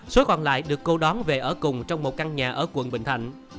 số còn lại được cô đón về ở cùng trong một căn nhà ở quận bình thạnh